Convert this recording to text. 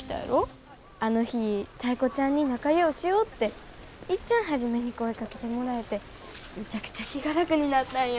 あの日タイ子ちゃんに仲ようしようっていっちゃん初めに声かけてもらえてむちゃくちゃ気が楽になったんよ。